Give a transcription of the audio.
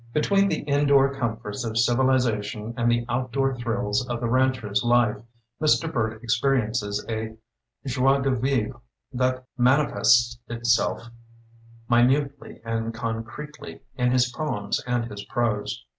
Between the indoor comforts of civ ilization and the outdoor thrills of the rancher's life, Mr. Burt experiences a joie de vivre that manifests itself mi nutely and concretely in his poems and his prose.